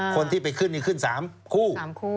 คนที่ไปขึ้นขึ้น๓คู่